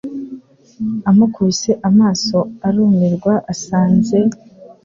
amukubise amaso arumirwa asanze